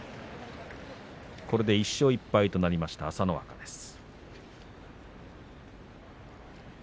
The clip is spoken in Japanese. これで１勝１敗となりました朝乃若です。